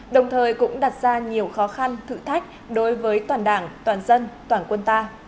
đồng thời cũng đặt ra nhiều khó khăn thử thách đối với toàn đảng toàn dân toàn quân ta